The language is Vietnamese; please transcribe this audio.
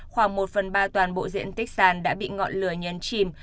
khoảng một phần ba toàn bộ diện tích sàn đã bị ngọn lửa nhấn chìm